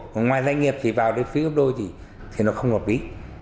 còn ngoài doanh nghiệp thì vào đến phía gấp đôi thì nó không ngọt bí